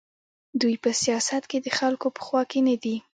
دوی په سیاست کې د خلکو په خوا کې نه دي.